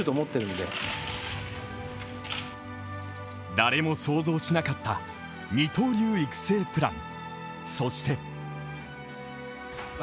誰も想像しなかった二刀流育成プラン。